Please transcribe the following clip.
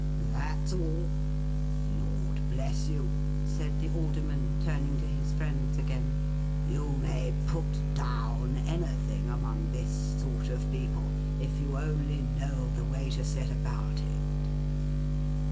That's all! Lord bless you,' said the Alderman, turning to his friends again, 'you may Put Down anything among this sort of people, if you only know the way to set about it.